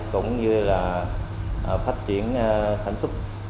cũng như là phát triển sản xuất